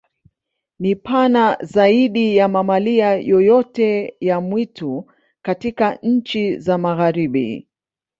Ni pana zaidi ya mamalia yoyote ya mwitu katika nchi za Magharibi.